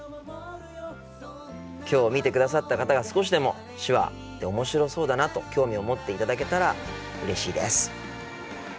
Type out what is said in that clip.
今日見てくださった方が少しでも手話って面白そうだなと興味を持っていただけたらうれしいです。